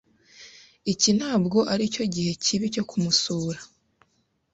Iki ntabwo aricyo gihe kibi cyo kumusura?